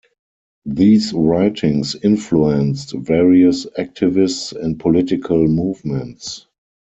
These writings influenced various activists and political movements.